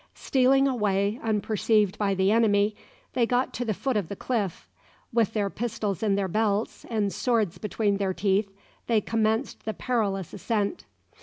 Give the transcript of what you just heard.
Stealing away unperceived by the enemy, they got to the foot of the cliff. With their pistols in their belts and swords between their teeth they commenced the perilous ascent.